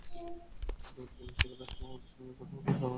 কতবার বলেছি, খেলার সময় আমার সঙ্গে কথা বলবে না, তাও আসে।